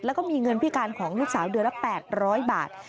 แล้วก็มีเงินพิการของลูกสาวเดือนละ๘๐๐บาท